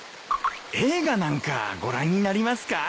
映画なんかご覧になりますか？